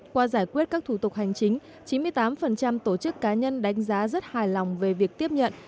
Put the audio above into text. qua giải quyết các thủ tục hành chính chín mươi tám tổ chức cá nhân đánh giá rất hài lòng về việc tiếp nhận